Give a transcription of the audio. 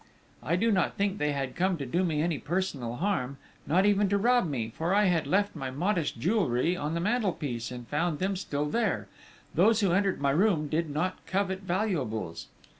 _ _I do not think they had come to do me any personal harm, not even to rob me, for I had left my modest jewellery on the mantelpiece and found them still there: those who entered my room did not covet valuables.